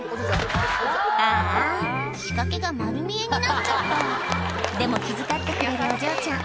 ああ仕掛けが丸見えになっちゃったでも気遣ってくれるお嬢ちゃん